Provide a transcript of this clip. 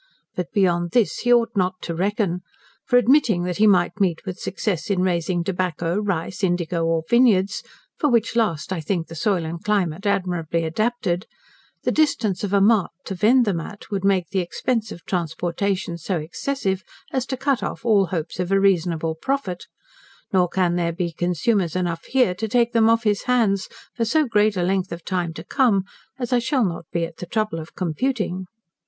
But beyond this he ought not to reckon, for admitting that he might meet with success in raising tobacco, rice, indigo, or vineyards (for which last I think the soil and climate admirably adapted), the distance of a mart to vend them at, would make the expense of transportation so excessive, as to cut off all hopes of a reasonable profit; nor can there be consumers enough here to take them off his hands, for so great a length of time to come, as I shall not be at the trouble of computing.